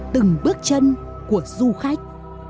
từng bước chân của du khách